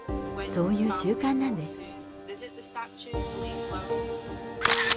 そういう習慣なんです。